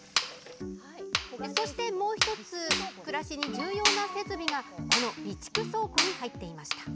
そして、もう１つ暮らしに重要な設備がこの備蓄倉庫に入っていました。